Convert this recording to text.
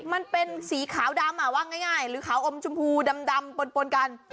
มันเป็นสีขาวดำว่าง่ายหรือขาวอมชมพูดำปนกัน